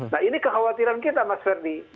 nah ini kekhawatiran kita mas ferdi